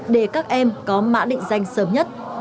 để các em có mã định danh sớm nhất